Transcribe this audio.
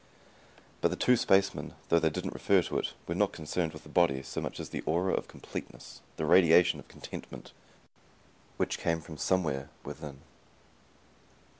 But the two spacemen, though they didn't refer to it were not concerned with the body so much as the aura of completeness, the radiation of contentment which came from somewhere within.